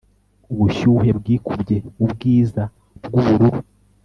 ubushyuhe bwikubye ubwiza bwubururu